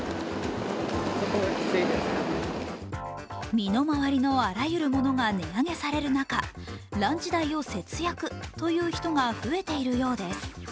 身の回りのあらゆるものが値上げされる中、ランチ代を節約という人が増えているようです